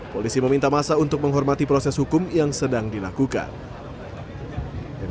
polisi meminta masa untuk menghormati proses hukum yang sedang dilakukan